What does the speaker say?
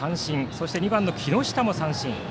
そして２番の木下も三振。